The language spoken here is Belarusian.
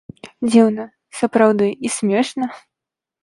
Дзіўна, сапраўды, і смешна?